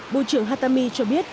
bộ trưởng hatami cho biết